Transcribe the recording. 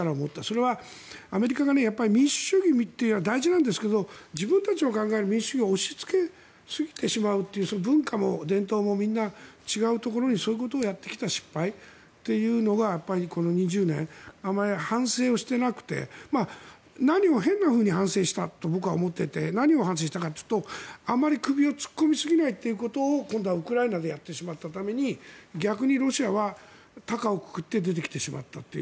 それはアメリカが民主主義というのは大事なんですが自分たちの考える民主主義を押しつけすぎてしまうという文化も伝統も違うところにそういうことをやってきた失敗というのがやっぱりこの２０年あまり反省をしていなくて変なふうに反省したと僕は思っていて何を反省したかというとあまり首を突っ込みすぎないということを今度はウクライナでやってしまったために逆にロシアは高をくくって出てきてしまったという。